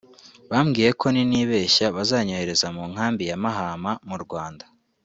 Bambwiye ko ninibeshya bazanyohereza mu nkambi ya Mahama mu Rwanda